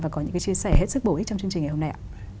và có những chia sẻ hết sức bổ ích trong chương trình ngày hôm nay